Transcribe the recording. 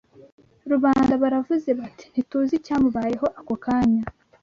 rubanda baravuze bati ‘ntituzi icyamubayeho ako kanya